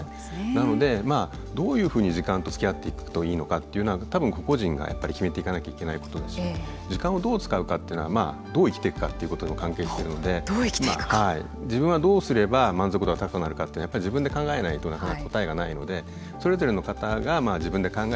なのでどういうふうに時間とつきあっていくといいのかっていうのは多分個々人が決めていかなきゃいけないことだし時間をどう使うかっていうのはどう生きてくかっていうことにも関係してるので自分はどうすれば満足度が高くなるかってやっぱり自分で考えないとなかなか答えがないのでそれぞれの方が自分で考えて時間の使い方